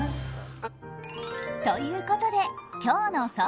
ということで、今日の総括。